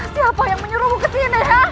siapa yang menyuruhmu ke sini